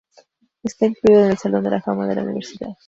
Está incluido en el Salón de la Fama de la universidad.